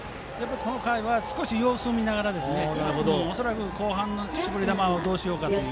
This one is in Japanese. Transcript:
この回は少し様子を見ながら恐らく、後半の絞り球をどうしようかと。